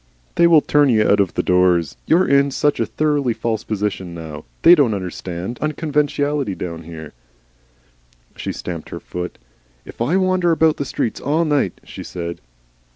"They will turn you out of doors. You're in such a thoroughly false position now. They don't understand unconventionality, down here." She stamped her foot. "If I wander about the streets all night " she said.